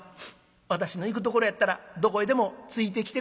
私の行くところやったらどこへでもついてきてくれるか？」。